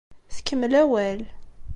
Tkemmel awal.